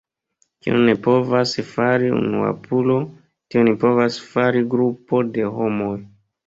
Kion ne povas fari unuopulo, tion povas fari grupo de homoj.